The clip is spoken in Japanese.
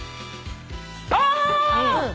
ああ！